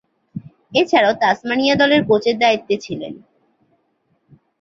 এছাড়াও, তাসমানিয়া দলের কোচের দায়িত্বে ছিলেন।